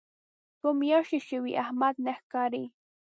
څو میاشتې شوې احمد نه ښکاري.